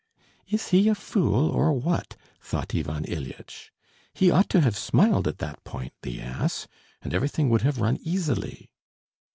"Is he a fool or what?" thought Ivan Ilyitch. "He ought to have smiled at that point, the ass, and everything would have run easily."